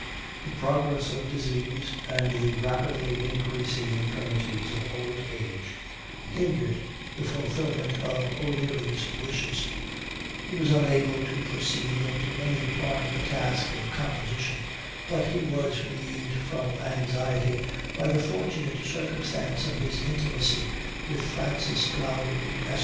"The progress of disease, and the rapidly increasing infirmities of old age, hindered the fulfilment of O'Leary's wishes: he was unable to proceed into any part of the task of composition, but he was relieved from anxiety by the fortunate circumstance of his intimacy with Francis Plowden Esq.